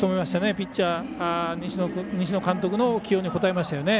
ピッチャー、西野監督の起用に応えましたよね。